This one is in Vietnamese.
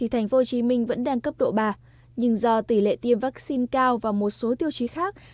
tp hcm vẫn đang cấp độ ba nhưng do tỷ lệ tiêm vaccine cao và một số tiêu chí khác